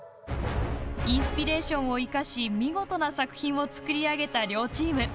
インスピレーションを生かし見事な作品を作りあげた両チーム。